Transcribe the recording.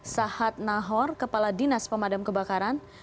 sahat nahor kepala dinas pemadam kebakaran